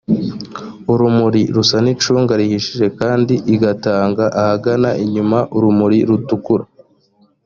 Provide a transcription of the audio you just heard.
urumuri rusa n’icunga rihishije kandi igatanga ahagana inyuma urumuri rutukura